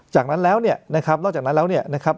จากนั้นแล้วเนี่ยนะครับนอกจากนั้นแล้วเนี่ยนะครับ